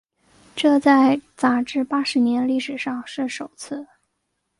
这在杂志八十年历史上是首次。